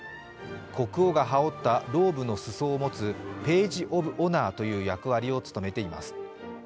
国王が羽織ったローブの裾を持つページ・オブ・オナーという役割を務めています。